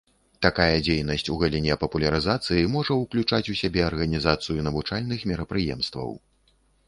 Такая дзейнасць у галіне папулярызацыі можа ўключаць у сябе арганізацыю навучальных мерапрыемстваў.